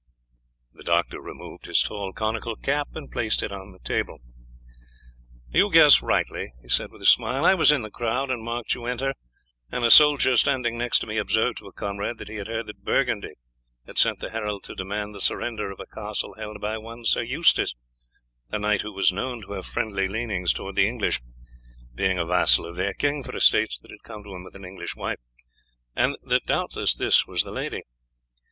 The doctor removed his tall conical cap, and placed it on the table. "You guess rightly," he said with a smile. "I was in the crowd and marked you enter, and a soldier standing next to me observed to a comrade that he had heard that Burgundy had sent the herald to demand the surrender of a castle held by one Sir Eustace, a knight who was known to have friendly leanings towards the English, being a vassal of their king for estates that had come to him with an English wife, and that doubtless this was the lady.